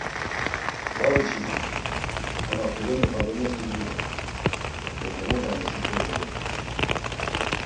Va viçinamt̆i. Ama tudeni Fadumeti idu dort̆u. Bozomotamuşi p̌ri ğuru…